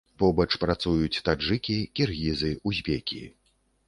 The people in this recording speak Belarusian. Побач працуюць таджыкі, кіргізы, узбекі.